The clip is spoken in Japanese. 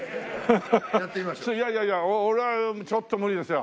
いやいやいや俺はちょっと無理ですよ。